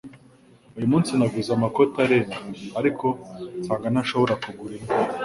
Uyu munsi naguze amakoti arenga, ariko nsanga ntashobora kugura imwe.